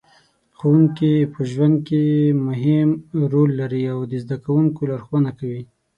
ښوونکې په ژوند کې مهم رول لري او د زده کوونکو لارښوونه کوي.